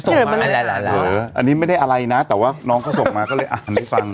ส่งมาอะไรอันนี้ไม่ได้อะไรนะแต่ว่าน้องเขาส่งมาก็เลยอ่านให้ฟัง